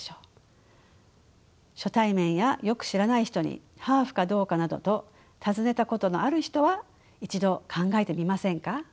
初対面やよく知らない人にハーフかどうかなどと尋ねたことのある人は一度考えてみませんか。